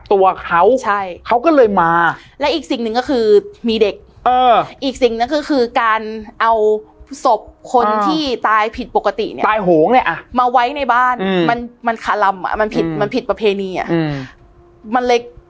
ตัวเขาใช่เขาก็เลยมาและอีกสิ่งหนึ่งก็คือมีเด็กอีกสิ่งนั้นก็คือการเอาศพคนที่ตายผิดปกติเนี่ยไหวในบ้านมันมันขนมมันผิดประเพณีหลักศพมัน